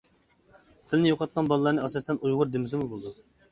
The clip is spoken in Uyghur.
تىلىنى يوقاتقان بالىلارنى ئاساسەن ئۇيغۇر دېمىسىمۇ بولىدۇ.